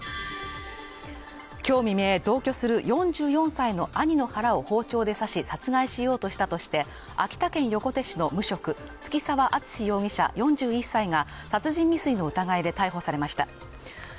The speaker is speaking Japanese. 今日未明同居する４４歳の兄の腹を包丁で刺し殺害しようとしたとして、秋田県横手市の無職月澤敦容疑者４１歳が殺人未遂の疑いで逮捕されました。